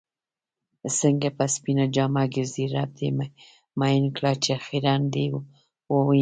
څنګه په سپينه جامه ګرځې رب دې مئين کړه چې خيرن دې ووينمه